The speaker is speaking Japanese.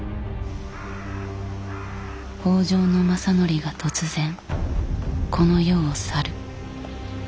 北条政範が突然この世を去る。